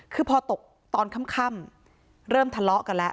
คือพอตกตอนค่ำเริ่มทะเลาะกันแล้ว